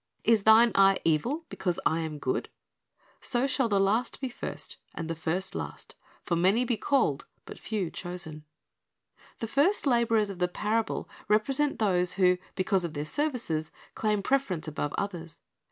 Is thine eye evil, because I am good?" "So the last shall be first, and the first last; for many be called, but i^tw chosen." The first laborers of the parable represent those who, be cause of their services, claim preference above others.